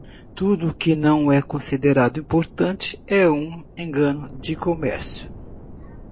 Tudo o que não é considerado importante é um engano de comércio.